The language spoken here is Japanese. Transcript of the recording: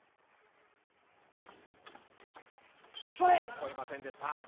超えませんでした。